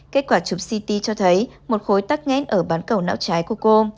kết quả chụp ct cho thấy một khối tắt ngén ở bán cầu não trái của cô